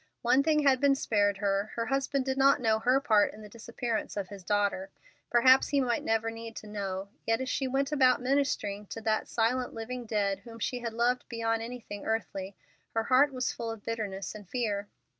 One thing had been spared her: her husband did not know her part in the disappearance of his daughter. Perhaps he might never need to know; yet as she went about ministering to that silent, living dead, whom she had loved beyond anything earthly, her heart was full of bitterness and fear.